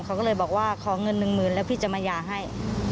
เขาก็เลยบอกว่าขอเงิน๑๐๐๐๐แล้วพี่จะมายาให้